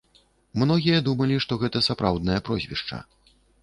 Многія думалі, што гэта сапраўднае прозвішча.